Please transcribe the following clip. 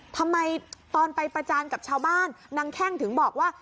ทำไมตอนไปประจานกับชาวบ้านนางแข้งถึงบอกว่า